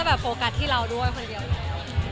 มันเขาจะโปรกัสที่เราด้วยคนเดียวแล้ว